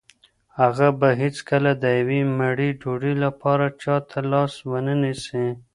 هغه به هیڅکله د یوې مړۍ ډوډۍ لپاره چا ته لاس ونه نیسي.